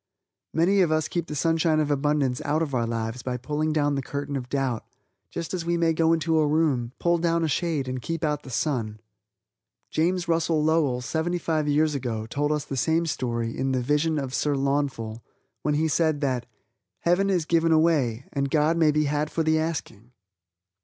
Many of us keep the sunshine of abundance out of our lives by pulling down the curtain of doubt just as we may go into a room, pull down a shade and keep out the sun. James Russell Lowell, seventy five years ago, told us the same story in "The Vision of Sir Launfal," when he said that "Heaven is given away and God may be had for the asking".